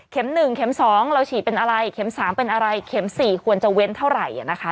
๑เข็ม๒เราฉีดเป็นอะไรเข็ม๓เป็นอะไรเข็ม๔ควรจะเว้นเท่าไหร่นะคะ